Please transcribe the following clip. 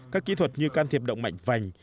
các kỹ thuật như can thiệp động mạnh vành